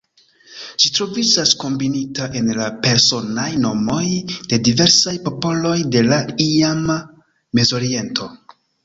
Ĝi troviĝas kombinita en la personaj nomoj de diversaj popoloj de la iama Mezoriento.